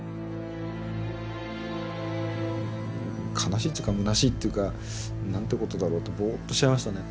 悲しいというかむなしいというか何てことだろうとボーッとしちゃいましたね。